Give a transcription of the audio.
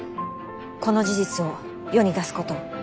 この事実を世に出すこと。